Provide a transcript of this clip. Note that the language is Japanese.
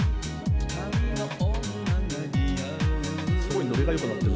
すごいノリがよくなってる。